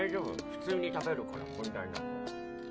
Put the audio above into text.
普通に食べるから問題なく。